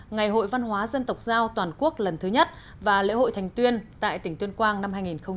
ngày hội văn hóa dân tộc giao toàn quốc lần thứ nhất và lễ hội thành tuyên tại tỉnh tuyên quang năm hai nghìn hai mươi